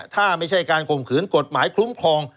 ถ้าไม่ใช่การข่มขืนกฎหมายคุ้มครอง